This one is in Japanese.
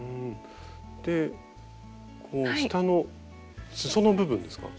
で下のすその部分ですか。